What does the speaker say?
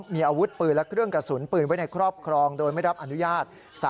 มีอาวุธปืนและเครื่องกระสุนปืนไว้ในครอบครองโดยไม่รับอนุญาต